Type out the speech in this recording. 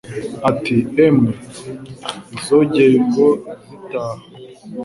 Ati « emwe Izogeye ubwo zitaha